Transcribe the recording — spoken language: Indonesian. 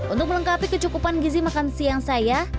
untuk melengkapi kecukupan gizi makan siang saya